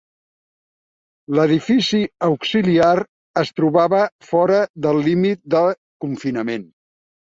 L'edifici auxiliar es trobava fora del límit de confinament.